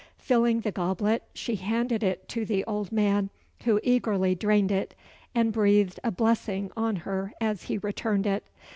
Filling the goblet, she handed it to the old man, who eagerly drained it, and breathed a blessing on her as he returned it.